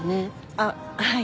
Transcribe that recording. あっはい。